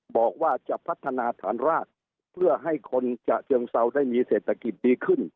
บอกว่าจะพัฒนาฐานรากเพื่อให้คนฉะเชิงเซาได้มีเศรษฐกิจดีขึ้น